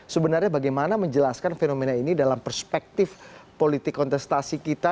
sebenarnya bagaimana menjelaskan fenomena ini dalam perspektif politik kontestasi kita